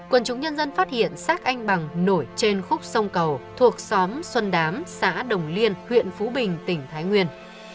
quân chúng nhân dân phát hiện xác anh bằng nổi trên khúc sông cầu thuộc xóm xuân đám xã đồng liên huyện phú bình tỉnh thái nguyên